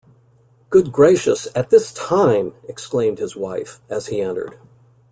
“Good gracious, at this time!” exclaimed his wife, as he entered.